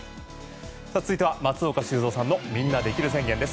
続いては松岡修造さんのできる宣言です。